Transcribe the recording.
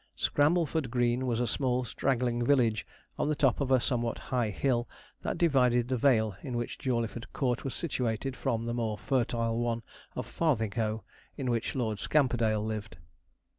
Scrambleford Green was a small straggling village on the top of a somewhat high hill, that divided the vale in which Jawleyford Court was situated from the more fertile one of Farthinghoe, in which Lord Scamperdale lived.